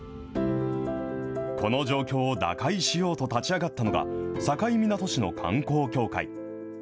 この状況を打開しようと立ち上がったのが、境港市の観光協会。